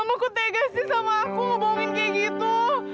mama kok tegas sih sama aku ngebawamin kayak gitu